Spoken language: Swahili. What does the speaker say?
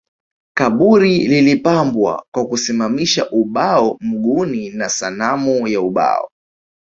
Kaburi lilipambwa kwa kusimamisha ubao mguuni na sanamu ya ubao